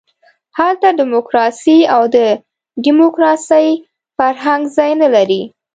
هلته ډیموکراسي او د ډیموکراسۍ فرهنګ ځای نه لري.